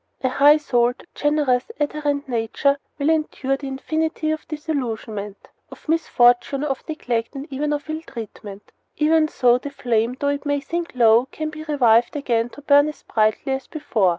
A high souled, generous, ardent nature will endure an infinity of disillusionment, of misfortune, of neglect, and even of ill treatment. Even so, the flame, though it may sink low, can be revived again to burn as brightly as before.